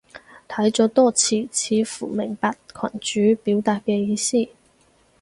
睇咗多次，似乎明白群主表達嘅意思